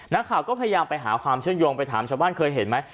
นักข่าวก็พยายามไปหาความเชื่อมโยงไปถามชาวบ้านเคยเห็นไหม